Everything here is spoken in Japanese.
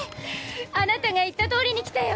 あなたが言ったとおりに来たよ！